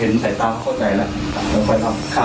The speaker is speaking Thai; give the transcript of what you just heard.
ไม่รู้หรือเปล่า